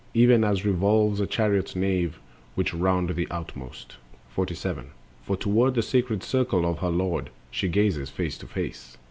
Even as revolves a chariot's nave, which round The outmost. .. 47. For toward the sacred circle of her lord She gazes face to face.